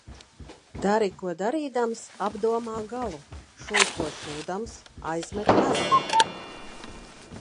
Dari ko darīdams, apdomā galu; šuj ko šūdams, aizmet mezglu.